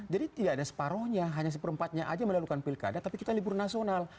jadi tidak ada separohnya hanya seperempatnya aja melalukan pilkada tapi kita libur nasional